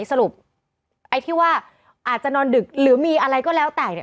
สรุปไอ้ที่ว่าอาจจะนอนดึกหรือมีอะไรก็แล้วแต่เนี่ย